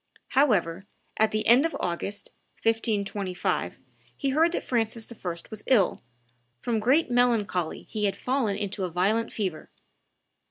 However, at the end of August, 1525, he heard that Francis I. was ill: "from great melancholy he had fallen into a violent fever."